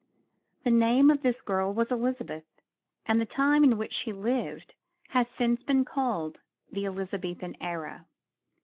The name of this girl was Elizabeth, and the time in which she lived has since been called the Elizabethan Era.